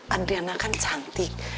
adriana kan cantik